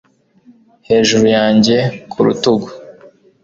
hejuru yanjye, ku rutugu